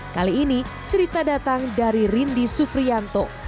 kali ini cerita datang dari rindy sufrianto